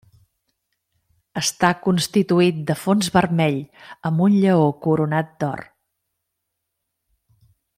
Està constituït de fons vermell amb un lleó coronat d'or.